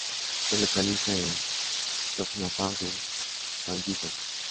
Se localiza en Songpa-gu, Bangi-dong.